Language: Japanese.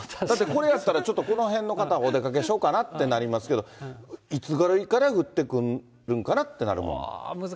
これやったら、ちょっとこの辺の方はお出かけしようかなってなりますけど、いつぐらいから降ってくるんかなってなるもん。